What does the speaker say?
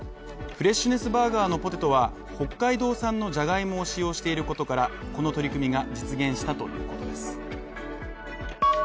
フレッシュネスバーガーのポテトは、北海道産のジャガイモを使用していることから、この取り組みが実現したということです。